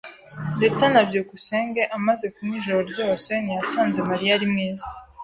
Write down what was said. [S] Ndetse na byukusenge amaze kunywa ijoro ryose, ntiyasanze Mariya ari mwiza.